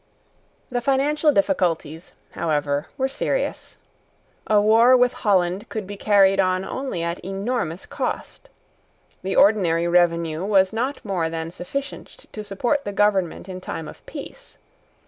The financial difficulties however were serious. A war with Holland could be carried on only at enormous cost. The ordinary revenue was not more than sufficient to support the government in time of peace.